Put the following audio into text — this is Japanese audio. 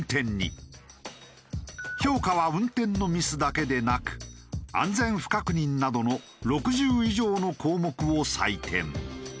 評価は運転のミスだけでなく安全不確認などの６０以上の項目を採点。